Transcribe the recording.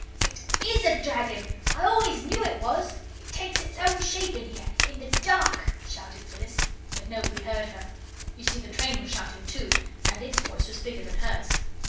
"It IS a dragon I always knew it was it takes its own shape in here, in the dark," shouted Phyllis. But nobody heard her. You see the train was shouting, too, and its voice was bigger than hers.